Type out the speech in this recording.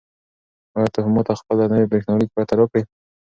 آیا ته به ماته خپله نوې بریښنالیک پته راکړې؟